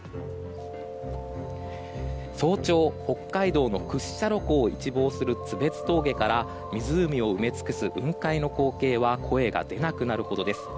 早朝、北海道の屈斜路湖を一望する津別峠から湖を埋め尽くす雲海の光景は声が出なくなるほどです。